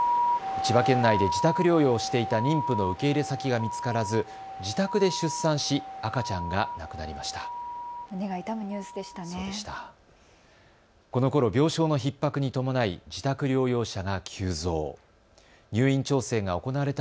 千葉県内で自宅療養していた妊婦の受け入れ先が見つからず自宅で出産し、赤ちゃんが亡くなりました。